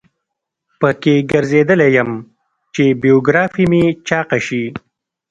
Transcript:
په کې ګرځیدلی یم چې بیوګرافي مې چاقه شي.